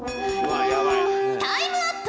タイムアップ